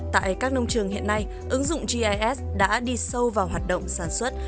tại các nông trường hiện nay ứng dụng gis đã đi sâu vào hoạt động sản xuất